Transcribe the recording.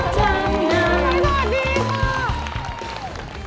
ทรายฟันดีค่ะ